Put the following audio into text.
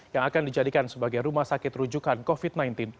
yang akan dijadikan sebagai rumah sakit rujukan covid sembilan belas